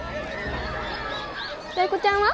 タイ子ちゃんは？